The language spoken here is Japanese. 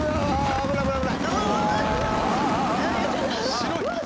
白い！